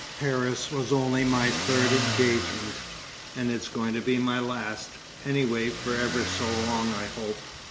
"Paris was only my third engagement; and it's going to be my last, anyway for ever so long, I hope."